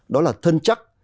đó là thân chắc